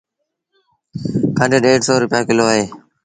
کنڍ ڏيڍ سو رپيآ ڪلو اهي۔